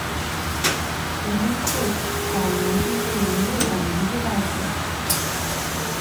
陈曾栻早年毕业于日本明治大学。